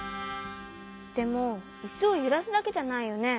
でもイスをゆらすだけじゃないよね？